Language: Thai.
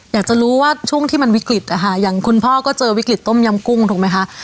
อยากจะรู้ว่าช่วงที่มันวิกฤตนะคะอย่างคุณพ่อก็เจอวิกฤตต้มยำกุ้งถูกไหมคะ